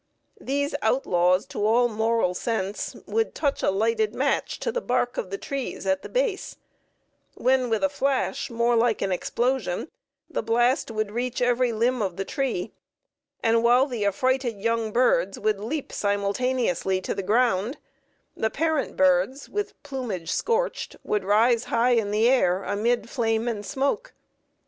These outlaws to all moral sense would touch a lighted match to the bark of the trees at the base, when with a flash more like an explosion the blast would reach every limb of the tree, and while the affrighted young birds would leap simultaneously to the ground, the parent birds, with plumage scorched, would rise high in air amid flame and smoke.